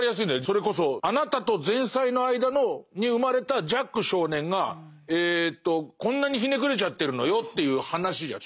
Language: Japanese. それこそあなたと前妻の間に生まれたジャック少年がこんなにひねくれちゃってるのよという話じゃん。